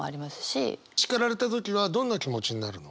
叱られた時はどんな気持ちになるの？